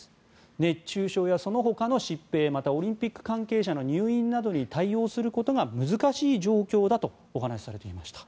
熱中症やそのほかの疾病また、オリンピック関係者の入院などに対応することが難しい状況だとお話しされていました。